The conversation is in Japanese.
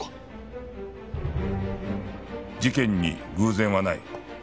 事件に偶然はない